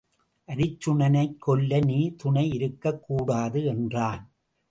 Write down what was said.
அருச்சுனனைக் கொல்ல நீ துணை இருக்கக்கூடாது என்றான்.